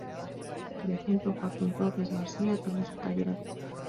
Por ejemplo, Joaquín Torres García tuvo su taller aquí.